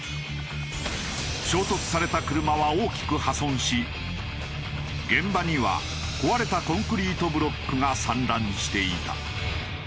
衝突された車は大きく破損し現場には壊れたコンクリートブロックが散乱していた。